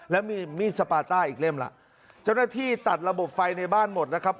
แล้วมีมีดสปาต้าอีกเล่มล่ะเจ้าหน้าที่ตัดระบบไฟในบ้านหมดนะครับ